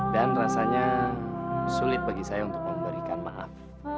dan rasanya sulit bagi saya untuk memberikan maaf